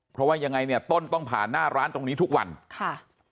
เพราะว่ายังไงเนี่ยต้นต้องผ่านหน้าร้านตรงนี้ทุกวันค่ะ